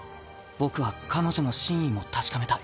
僕は彼女の真意も確かめたい。